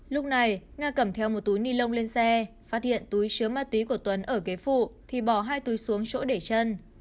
lúc này nga cầm theo một túi ni lông lên xe phát hiện túi chứa ma túy của tuấn ở kế phụ thì bỏ hai túi xuống chỗ để chân